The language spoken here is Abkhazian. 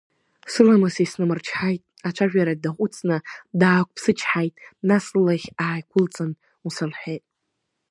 Сыламыс иснамырчҳаит, ацәажәара даҟәыҵны даақәԥсычҳаит, нас лылахь ааиқәылҵан, ус лҳәеит…